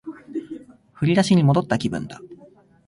振り出しに戻った気分だ